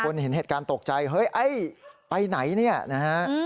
เห็นเหตุการณ์ตกใจเฮ้ยไอ้ไปไหนเนี่ยนะฮะ